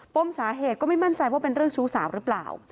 มสาเหตุก็ไม่มั่นใจว่าเป็นเรื่องชู้สาวหรือเปล่า